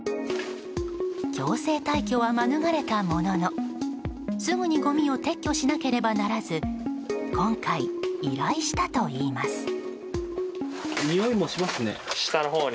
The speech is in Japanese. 強制退去は免れたもののすぐにごみを撤去しなければならず今回、依頼したといいます。